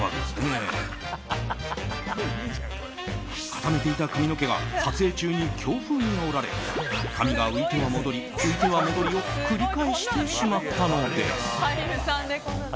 固めていた髪の毛が撮影中に強風にあおられ髪が浮いては戻り浮いては戻りを繰り返してしまったのです。